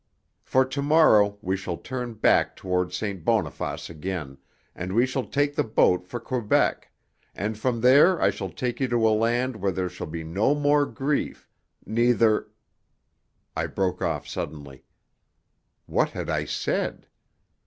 For to morrow we shall turn back toward St. Boniface again, and we shall take the boat for Quebec and from there I shall take you to a land where there shall be no more grief, neither " I broke off suddenly. What had I said?